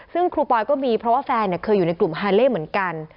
ซึ่งครูปอยก็มีเพราะว่าแฟนเคยอยู่ในกลุ่มฮาเล่เหมือนกัน